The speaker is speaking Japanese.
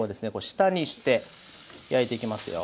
下にして焼いていきますよ。